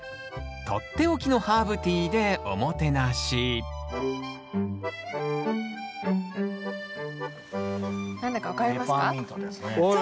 取って置きのハーブティーでおもてなし何だか分かりますか？